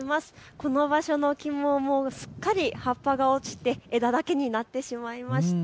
この場所の木も葉っぱがすっかり落ちて枝だけになってしまいました。